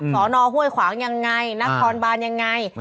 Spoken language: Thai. สอนอห้วยขวางยังไงนครบานยังไง